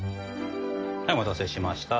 はいお待たせしました。